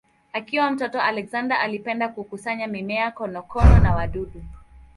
Akiwa mtoto Alexander alipenda kukusanya mimea, konokono na wadudu.